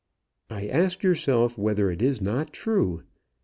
"I ask yourself whether it is not true?